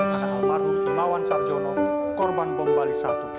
anak almarhum imawan sarjono korban bumpali satu